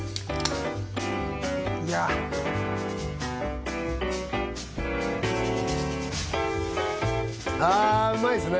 いやああうまいっすね